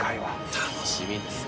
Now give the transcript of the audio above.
楽しみですね。